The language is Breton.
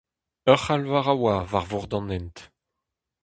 Ur c'halvar a oa war vord an hent.